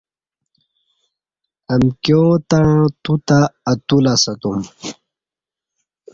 امکیاں تݩع تو تہ اتو لسہ تم